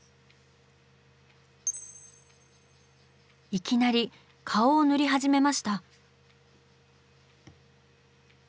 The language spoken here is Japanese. いきなり顔を塗り始めました。